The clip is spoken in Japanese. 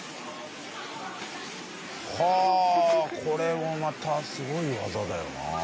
これもまたすごい技だよな。